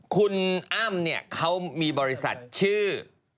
คุณอ้ามเขามีบริษัทชื่อ